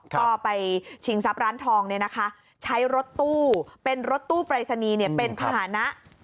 ก็ไปชิงทรัพย์ร้านทองเนี่ยนะคะใช้รถตู้เป็นรถตู้ปรายศนีย์เป็นภาษณะ